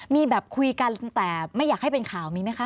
มีแบบคุยกันแต่ไม่อยากให้เป็นข่าวมีไหมคะ